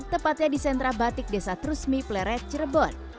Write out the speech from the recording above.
tepatnya di sentra batik desa trusmi pleret cirebon